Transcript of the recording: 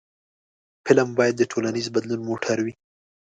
فلم باید د ټولنیز بدلون موټر وي